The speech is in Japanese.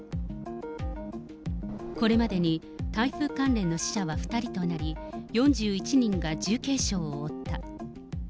これまでに台風関連の死者は２人となり、４１人が重軽傷を負った。